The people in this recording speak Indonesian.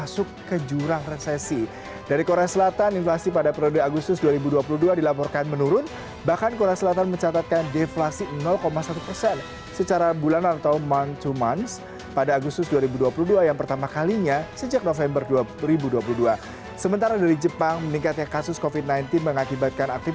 saya lihat di belakang saya sangat variatif